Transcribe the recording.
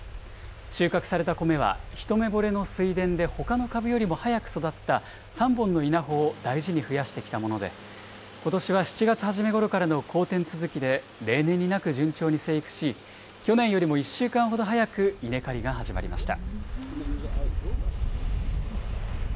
収穫された米はひとめぼれの水田でほかの株よりも早く育った３本の稲穂を大事に増やしてきたもので、ことしは７月初めごろからの好天続きで例年になく順調に生育し、去年よりも１週間ほど早く稲刈りが始まりました。